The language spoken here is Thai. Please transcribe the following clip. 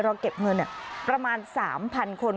เก็บเงินประมาณ๓๐๐คน